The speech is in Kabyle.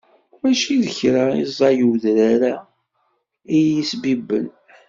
Mačči d kra i ẓẓay udrar-a iyi-sbibben.